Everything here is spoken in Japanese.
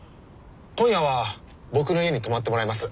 今夜は僕の家に泊まってもらいます。